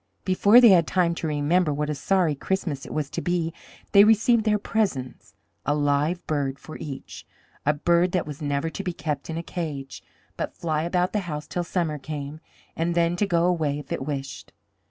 Before they had time to remember what a sorry Christmas it was to be, they received their presents, a live bird, for each, a bird that was never to be kept in a cage, but fly about the house till summer came, and then to go away if it wished.